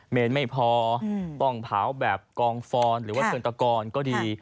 เนรไม่พอต้องเผาแบบกองฟอนหรือว่าเชิงตะกอนก็ดี